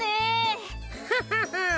フフフン。